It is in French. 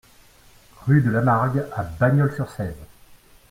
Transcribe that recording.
Rue de Lamargue à Bagnols-sur-Cèze